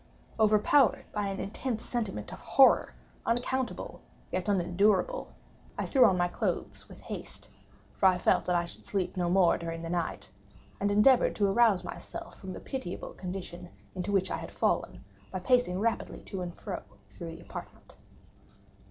Overpowered by an intense sentiment of horror, unaccountable yet unendurable, I threw on my clothes with haste (for I felt that I should sleep no more during the night), and endeavored to arouse myself from the pitiable condition into which I had fallen, by pacing rapidly to and fro through the apartment.